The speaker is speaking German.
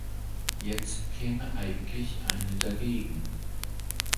Jetzt käme eigentlich eine dagegen.